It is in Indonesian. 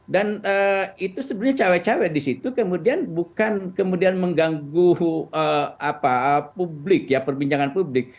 dan itu sebenarnya cewek cewek di situ kemudian bukan kemudian mengganggu publik ya perbincangan publik